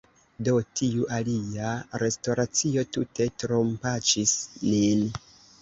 Do, tiu alia restoracio tute trompaĉis nin!